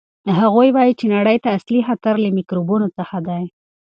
هغوی وایي چې نړۍ ته اصلي خطر له میکروبونو څخه دی.